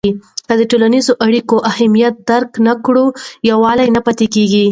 که د ټولنیزو اړیکو اهمیت درک نه کړې، یووالی نه پاتې کېږي.